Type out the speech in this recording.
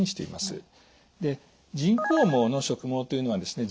人工毛の植毛というのはですね